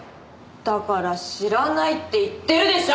だから知らないって言ってるでしょう！